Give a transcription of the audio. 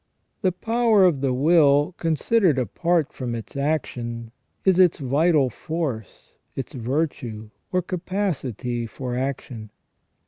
The power of the will, considered apart from its action, is its vital force, its virtue, or capacity for action.